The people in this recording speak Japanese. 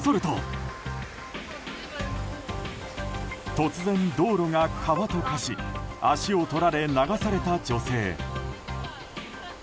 突然、道路が川と化し足を取られ流された女性。